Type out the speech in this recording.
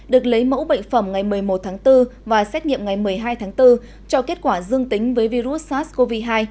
được lấy mẫu bệnh phẩm ngày một mươi một tháng bốn và xét nghiệm ngày một mươi hai tháng bốn cho kết quả dương tính với virus sars cov hai